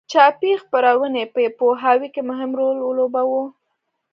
چاپي خپرونې په پوهاوي کې مهم رول ولوباوه.